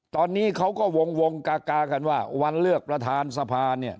ตอนนี้เขาก็วงกากากันว่าวันเลือกประธานสภาเนี่ย